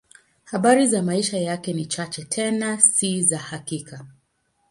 Habari za maisha yake ni chache, tena si za hakika.